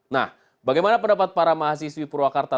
nah bagaimana pendapat para mahasiswi purwakarta